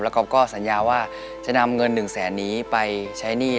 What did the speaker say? ก๊อฟก็สัญญาว่าจะนำเงิน๑แสนนี้ไปใช้หนี้